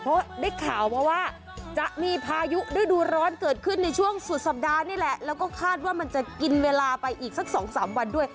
เพราะได้ข่าวมาว่าจะมีพายุฤดูร้อนเกิดขึ้นในช่วงสุดสัปดาห์นี่แหละแล้วก็คาดว่ามันจะกินเวลาไปอีกสักสองสามวันด้วย